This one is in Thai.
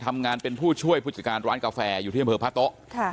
ทำงานเป็นผู้ช่วยผู้จัดการร้านกาแฟอยู่ที่อำเภอพระโต๊ะ